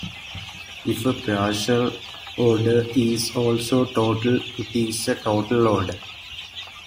If a partial order is also total, it is a total order.